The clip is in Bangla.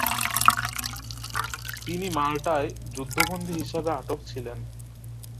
তিনি মালটায় যুদ্ধবন্ধী হিসেবে আটক ছিলেন।